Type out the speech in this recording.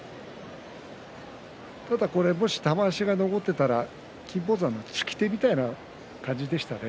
ただ玉鷲が残っていたら金峰山の突き手みたいな感じでしょうね。